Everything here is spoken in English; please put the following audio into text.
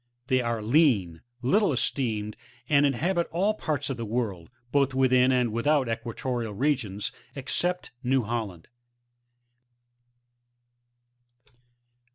They are lean, little esteemed, and inhabit all parts of the world, both within and without the equatorial regions, except New Holland.